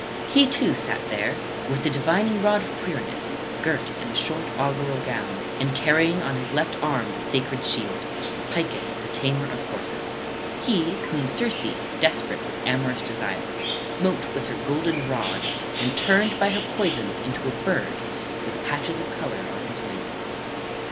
He too sat there, with the divining rod of Quirinus, girt in the short augural gown, and carrying on his left arm the sacred shield, Picus the tamer of horses; he whom Circe, desperate with amorous desire, smote with her golden rod and turned by her poisons into a bird with patches of colour on his wings.